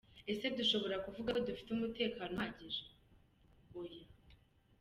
Ese dushobora kuvuga ko dufite umutekano uhagije? Oya.